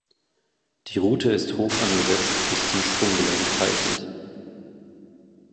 Die Rute ist hoch angesetzt, bis zum Sprunggelenk reichend.